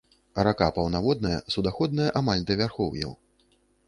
Рака паўнаводная, суднаходная амаль да вярхоўяў.